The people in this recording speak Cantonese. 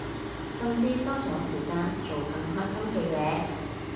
甚至多咗時間做更開心嘅嘢